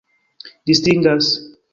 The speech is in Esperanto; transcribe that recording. distingas